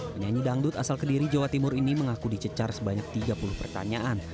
penyanyi dangdut asal kediri jawa timur ini mengaku dicecar sebanyak tiga puluh pertanyaan